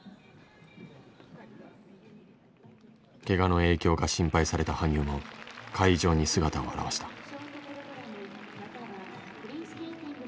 けがの影響が心配された羽生も会場に姿を現した。